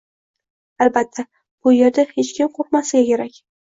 albatta, bu yerda hech kim qoʻrqmasligi kerak.